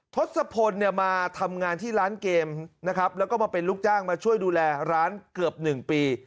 ทศพลเนี่ยมาทำงานที่ร้านเกมนะครับแล้วก็มาเป็นลูกจ้างมาช่วยดูแลร้านเกือบ๑ปี